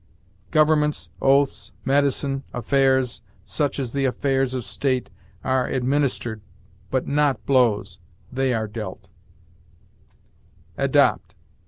Governments, oaths, medicine, affairs such as the affairs of the state are administered, but not blows: they are dealt. ADOPT.